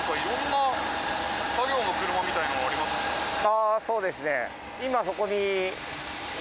ああそうですね。